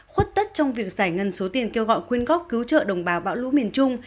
khuất tất trong việc giải ngân số tiền kêu gọi quyên góp cứu trợ đồng bào bão lũ miền trung